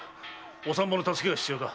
お産婆の助けが必要だ。